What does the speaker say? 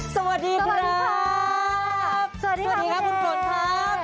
สวัสดีครับสวัสดีครับสวัสดีครับคุณโฟนครับ